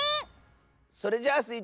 それじゃあスイ